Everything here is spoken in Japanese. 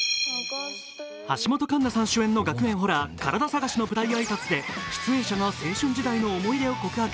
橋本環奈さん主演の学園ホラー「カラダ探し」の舞台挨拶で出演者が青春時代の思い出を告白。